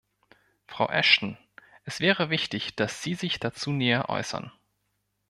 Frau Ashton, es wäre wichtig, dass Sie sich dazu näher äußern.